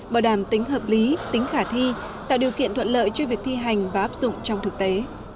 bảo đảm tính hợp lý tính khả thi tạo điều kiện thuận lợi cho việc thi hành và áp dụng trong thực tế